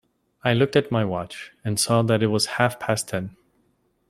I looked at my watch, and saw that it was half-past ten.